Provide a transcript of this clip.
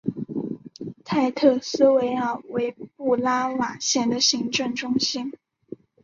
泰特斯维尔为布拉瓦县的行政中心。